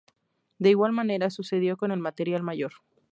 De igual manera sucedió con el material mayor.